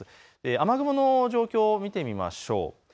雨雲の状況を見ていきましょう。